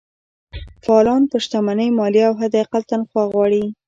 فعالان پر شتمنۍ مالیه او حداقل تنخوا غواړي.